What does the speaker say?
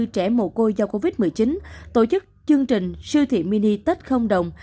hai một trăm năm mươi bốn trẻ mồ côi do covid một mươi chín tổ chức chương trình siêu thị mini tết không đồng